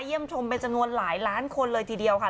ชมเป็นจำนวนหลายล้านคนเลยทีเดียวค่ะ